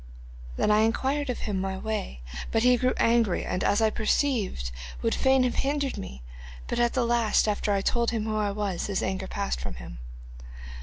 Then I inquired of him my way, but he grew angry, and, as I perceived, would fain have hindered me; but at the last, after I had told him who I was, his anger passed from him.